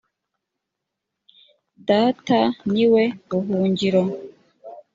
data ni we buhingiro